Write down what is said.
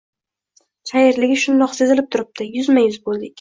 Chayirligi shundoq sezilib turibdi. Yuzma-yuz boʻldik.